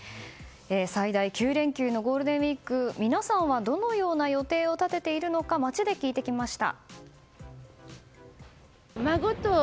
最大９連休のゴールデンウィーク皆さんはどのような予定を立てているのか街で聞いてきました。